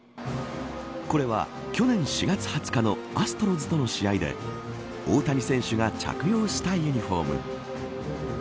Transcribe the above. これは、去年４月２０日のアストロズとの試合で大谷選手が着用したユニホーム。